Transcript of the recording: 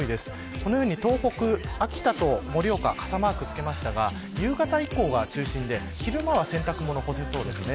このように東北、秋田と盛岡傘マークを付けましたが夕方以降が中心で昼間は洗濯物干せそうですね。